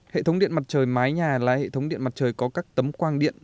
hệ thống điện mặt trời mái nhà là hệ thống điện mặt trời có các tấm quang điện